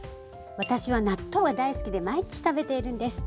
私は納豆が大好きで毎日食べているんです。